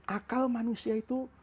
akal manusia itu